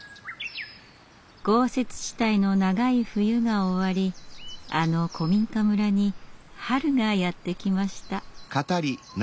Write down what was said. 豪雪地帯の長い冬が終わりあの古民家村に春がやって来ました。